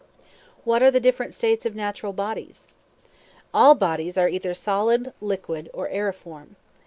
What are the different states of natural bodies? All bodies are either solid, liquid, or aeriform.